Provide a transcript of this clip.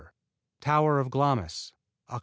Tower of Glamis Oct.